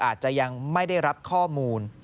อาจจะยังไม่ได้รับข้อมูล